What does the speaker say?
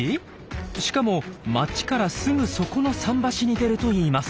しかも街からすぐそこの桟橋に出るといいます。